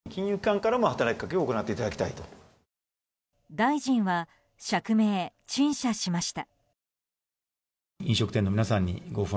大臣は釈明・陳謝しました。